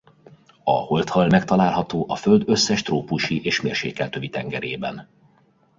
A holdhal megtalálható a Föld összes trópusi és mérsékelt övi tengerében.